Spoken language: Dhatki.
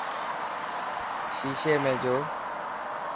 شيشي ۾ جو.